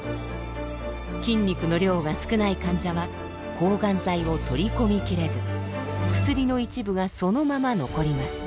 筋肉の量が少ない患者は抗がん剤を取り込み切れず薬の一部がそのまま残ります。